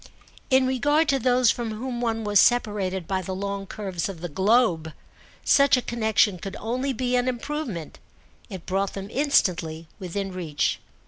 In regard to those from whom one was separated by the long curves of the globe such a connexion could only be an improvement: it brought them instantly within reach.